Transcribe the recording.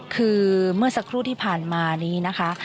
คือเมื่อสักครู่ที่ผ่านมานี้นะคะ